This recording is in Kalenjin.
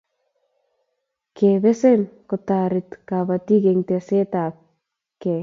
ke besen kotariti kabatik eng' teset ab kee